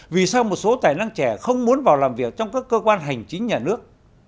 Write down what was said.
vì sao một số tài năng trẻ không muốn vào làm việc trong các cơ quan hành chính nhà nước